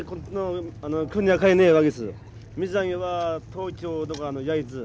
水揚げは東京とか焼津。